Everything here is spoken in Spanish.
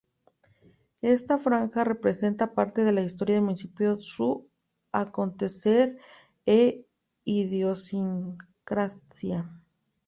Esta franja representa parte de la historia del Municipio su acontecer e idiosincrasia.